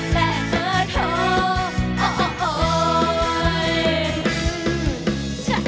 แบบเบอร์โทรโอ๊ย